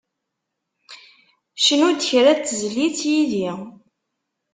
Cnu-d kra n tezlit yid-i.